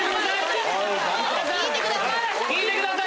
聞いてください！